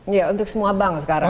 ya untuk semua bank sekarang ya